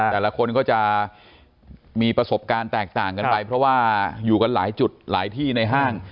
แต่ละคนก็จะมีประสบการณ์แตกต่างกันไปเพราะว่าอยู่กันหลายจุดหลายที่ในห้าง